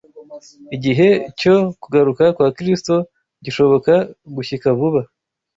igihe cyo kugaruka kwa Kristo gishobora gushyika vuba